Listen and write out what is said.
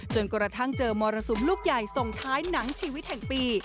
จนกระทั่งเจอมรสุมลูกใหญ่ส่งท้ายหนังชีวิตแห่งปี